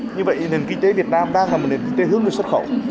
như vậy nền kinh tế việt nam đang là nền kinh tế hướng được xuất khẩu